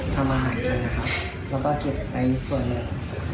ทำอาหารกันนะครับแล้วก็เก็บไปส่วนหนึ่ง